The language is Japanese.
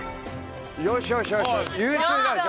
よしよしよしよし。